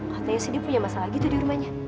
katanya sih dia punya masalah gitu di rumahnya